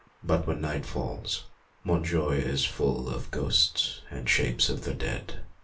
But when night falls Montjoie is full of ghosts and shapes of the dead.